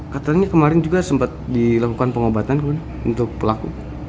katanya kemarin juga sempat dilakukan pengobatan untuk pelaku